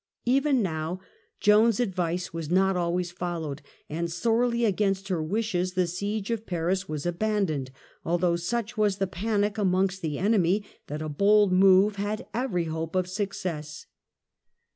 Even now Joan's advice was not always followed, and sorely against her wishes the siege of Paris was aban doned, although such was the panic amongst the enemy, that a bold move had every hope of success.